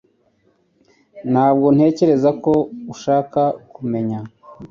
Ntabwo ntekereza ko ushaka kumenya